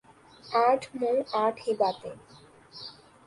آٹھ منہ آٹھ ہی باتیں ۔